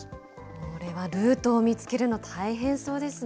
これはルートを見つけるの、大変そうですね。